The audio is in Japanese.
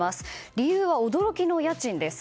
理由は驚きの家賃です。